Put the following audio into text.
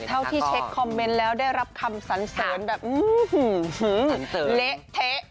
แต่เท่าที่เช็คคอมเมนต์แล้วได้รับคำสันเสริญแบบหื้อหือหือเหละเทะ